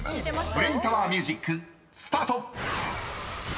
［ブレインタワーミュージックスタート！］